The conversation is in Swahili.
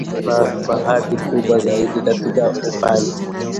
Na kwa hati kubwa zaidi katika upande